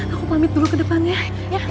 aku pamit dulu ke depannya